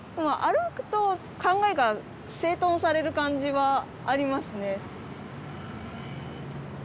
歩くと考えが整頓される感じはありますね。